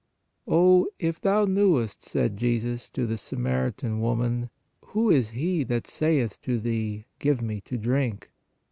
Oh, "if thou knewest," said Jesus to the Samaritan woman, " who is He that saith to thee, give Me to drink."